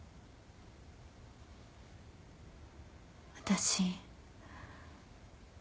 私。